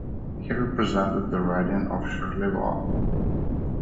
He represented the riding of Charlevoix.